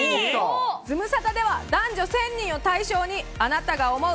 ズムサタでは男女１０００人を対象に、あなたが思う